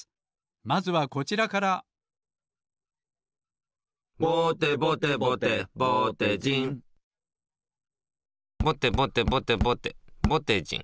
まずはこちらから「ぼてぼてぼてぼてじん」ぼてぼてぼてぼてぼてじん。